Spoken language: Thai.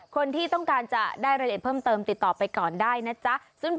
คนที่ต้องการจะได้รายละเอียดเพิ่มเติมติดต่อไปก่อนได้นะจ๊ะ